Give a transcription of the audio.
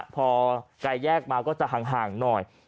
พอยากมาก็จะห่างหน่อย